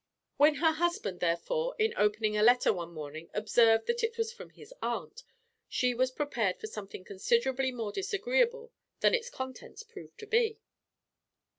When her husband, therefore, in opening a letter one morning, observed that it was from his aunt, she was prepared for something considerably more disagreeable than its contents proved to be.